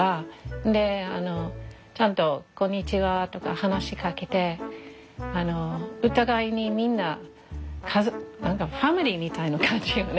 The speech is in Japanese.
でちゃんとこんにちはとか話しかけてお互いにみんな家族何かファミリーみたいな感じよね。